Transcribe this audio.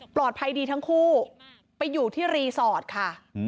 ปลอดภัยดีทั้งคู่ไปอยู่ที่รีสอร์ตค่ะ